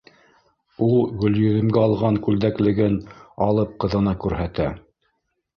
Ул Гөлйөҙөмгә алған күлдәклеген алып ҡыҙына күрһәтә: